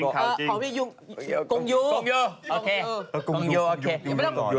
กอนกวยู